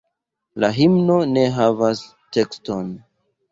La himno ne havas tekston.